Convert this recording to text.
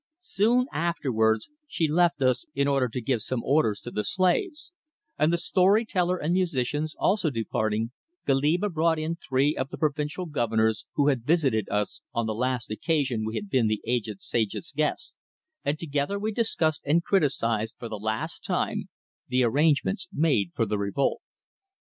Soon afterwards she left us in order to give some orders to the slaves, and the story teller and musicians also departing, Goliba brought in three of the provincial governors who had visited us on the last occasion we had been the aged sage's guests, and together we discussed and criticised for the last time the arrangements made for the revolt.